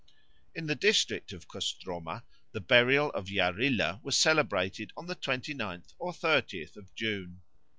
In the district of Kostroma the burial of Yarilo was celebrated on the twenty ninth or thirtieth of June.